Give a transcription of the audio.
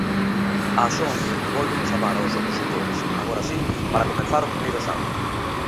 Ás once volven chamar aos opositores, agora si, para comezar o primeiro exame.